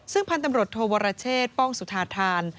ซึ่งพันธุ์ตำรวจโทวรเชษป้องสุธาธาน